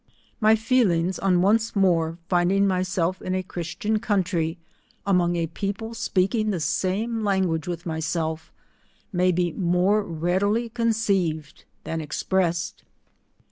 My feelings on once more finding myself in a Christian country, among a people speaking the same language with myself, may be more readily conceived than expressed.